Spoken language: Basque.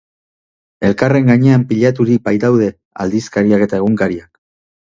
Elkarren gainean pilaturik baitaude aldizkariak eta egunkariak.